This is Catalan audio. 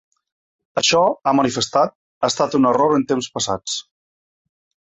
“Això –ha manifestat– ha estat un error en temps passats”.